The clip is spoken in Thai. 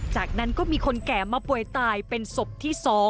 จากนั้นก็มีคนแก่มาป่วยตายเป็นศพที่๒